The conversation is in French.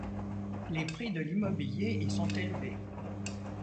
Les prix de l'immobilier y sont élevés.